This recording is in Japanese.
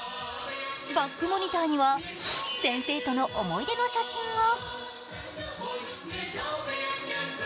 バックモニターには先生との思いでの写真が。